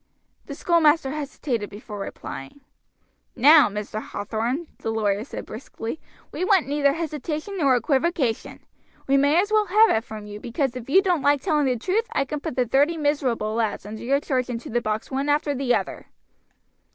The schoolmaster hesitated before replying. "Now, Mr. Hathorn," the lawyer said briskly, "we want neither hesitation nor equivocation. We may as well have it from you, because if you don't like telling the truth I can put the thirty miserable lads under your charge into the box one after the other."